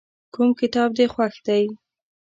کوم کتاب دې خوښ دی؟